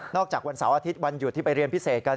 จากวันเสาร์อาทิตย์วันหยุดที่ไปเรียนพิเศษกัน